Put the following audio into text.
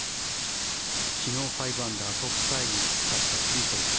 昨日５アンダートップタイに立ったフリートウッド。